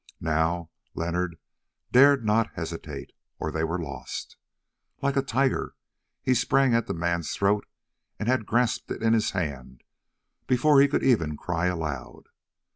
Now Leonard dared not hesitate, or they were lost. Like a tiger he sprang at the man's throat and had grasped it in his hand before he could even cry aloud.